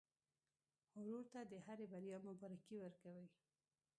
ورور ته د هرې بریا مبارکي ورکوې.